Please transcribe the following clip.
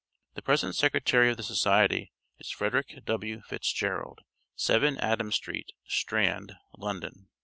The present Secretary of the society is Frederick W. Fitzgerald, 7 Adam Street, Strand, London.